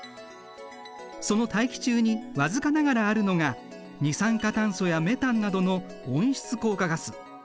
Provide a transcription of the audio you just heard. その大気中に僅かながらあるのが二酸化炭素やメタンなどの温室効果ガス。